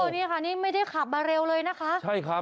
นี่ค่ะนี่ไม่ได้ขับมาเร็วเลยนะคะใช่ครับ